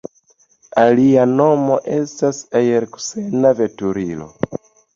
Alia nomo estas aer-kusena veturilo.